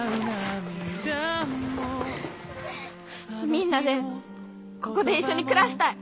みんなでここで一緒に暮らしたい！